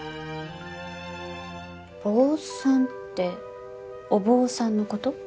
坊さんってお坊さんの事？